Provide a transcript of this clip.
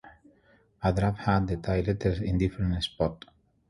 A draft had the Thai letters in different spots.